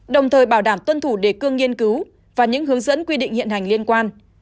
đồng thời bảo đảm tuân thủ đề cương nghiên cứu và những hướng dẫn quy định hiện hành liên quan